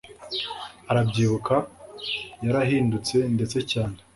Arabyibuka Yarahindutse ndetse cyane